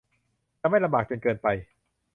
จะไม่ลำบากจนเกินไป